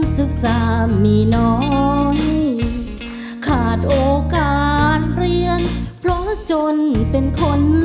จริงจริงจริง